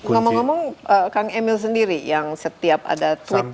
ngomong ngomong kang emil sendiri yang setiap ada tweet yang keluar dari